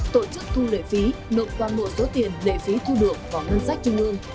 tổ chức thu lệ phí nộp toàn bộ số tiền lệ phí thu được vào ngân sách trung ương